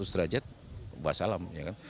enam ratus derajat bahas alam